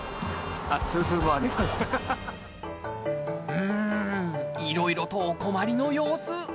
うんいろいろとお困りの様子！